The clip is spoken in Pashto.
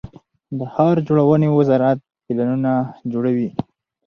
د ښار جوړونې وزارت پلانونه جوړوي